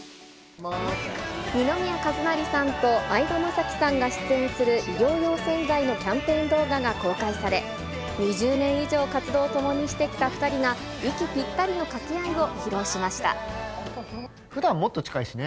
二宮和也さんと相葉雅紀さんが出演する衣料用洗剤のキャンペーン動画が公開され、２０年以上活動をともにしてきた２人が、息ぴったりの掛け合いをふだんもっと近いしね。